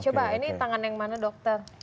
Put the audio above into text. coba ini tangan yang mana dokter